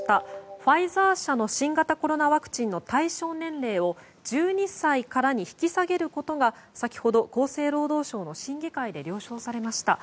ファイザー社の新型コロナワクチンの対象年齢を１２歳からに引き下げることが先ほど、厚生労働省の審議会で了承されました。